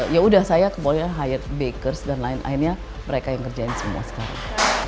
ya udah saya kemudian high bakers dan lain lainnya mereka yang ngerjain semua sekarang